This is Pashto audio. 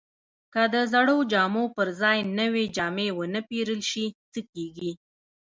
که د زړو جامو پر ځای نوې جامې ونه پیرل شي، څه کیږي؟